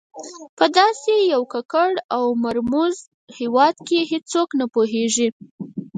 په داسې یو ککړ او مرموز هېواد کې هېڅوک نه پوهېږي.